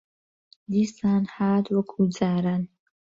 دیسان هات وەکوو جاران